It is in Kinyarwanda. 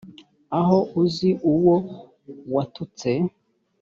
aho uzi uwo watutse